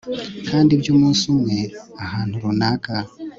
kandi ibyo umunsi umwe, ahantu runaka